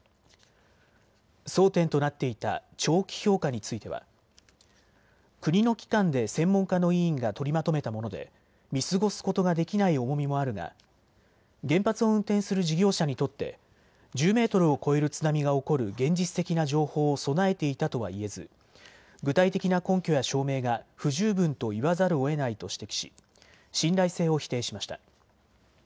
争点となっていた長期評価については国の機関で専門家の委員が取りまとめたもので見過ごすことができない重みもあるが原発を運転する事業者にとって１０メートルを超える津波が起こる現実的な情報を備えていたとはいえず具体的な根拠や証明が不十分と言わざるをえないと指摘し信頼性を否定しました。